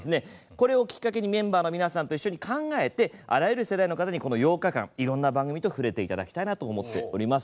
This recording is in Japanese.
これをきっかけにメンバーの皆さんと一緒に考えてあらゆる世代の方に、この８日間いろんな番組と触れていただきたいなと思っております。